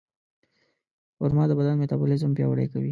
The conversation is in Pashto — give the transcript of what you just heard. خرما د بدن میتابولیزم پیاوړی کوي.